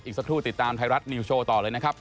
สักครู่ติดตามไทยรัฐนิวโชว์ต่อเลยนะครับ